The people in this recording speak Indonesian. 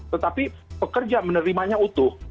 tetapi pekerja menerimanya utuh